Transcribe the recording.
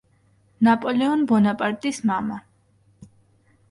ნაპოლეონ ბონაპარტის მამა.